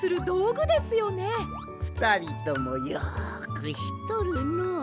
ふたりともよくしっとるの。